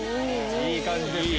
いい感じですよ。